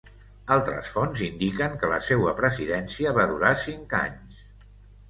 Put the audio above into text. Altres fonts indiquen que la seua presidència va durar cinc anys.